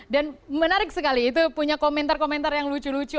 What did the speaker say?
menarik sekali itu punya komentar komentar yang lucu lucu